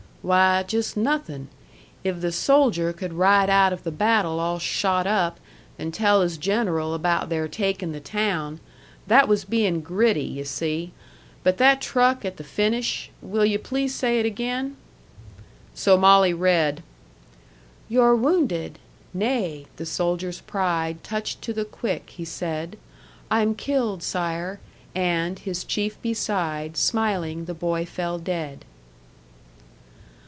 "Why, just nothing. If the soldier could ride out of the battle all shot up, and tell his general about their takin' the town that was being gritty, yu' see. But that truck at the finish will yu' please say it again?" So Molly read: "'You're wounded! 'Nay,' the soldier's pride Touched to the quick, he said, 'I'm killed, sire!' And, his chief beside, Smiling the boy fell dead."